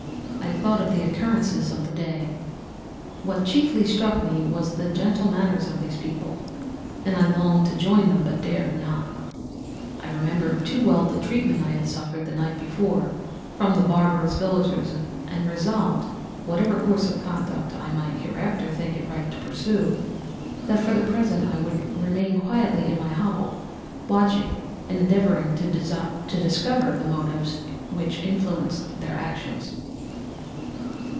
I thought of the occurrences of the day. What chiefly struck me was the gentle manners of these people, and I longed to join them, but dared not. I remembered too well the treatment I had suffered the night before from the barbarous villagers, and resolved, whatever course of conduct I might hereafter think it right to pursue, that for the present I would remain quietly in my hovel, watching and endeavouring to discover the motives which influenced their actions.